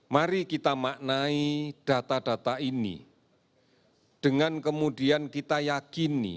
mari kita maknai data data ini dengan kemudian kita yakini